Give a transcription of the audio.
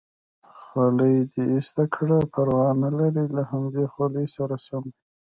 خولۍ دې ایسته کړه، پروا نه لري له همدې خولۍ سره سم دی.